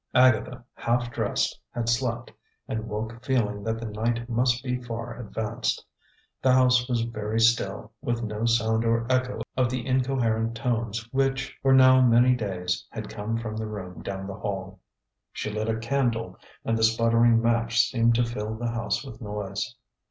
Agatha, half dressed, had slept, and woke feeling that the night must be far advanced. The house was very still, with no sound or echo of the incoherent tones which, for now many days, had come from the room down the hall. She lit a candle, and the sputtering match seemed to fill the house with noise.